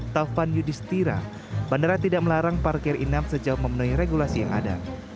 taufan yudhistira bandara tidak melarang parkir inap sejauh memenuhi regulasi yang ada